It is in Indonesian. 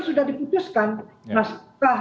sudah diputuskan nah setelah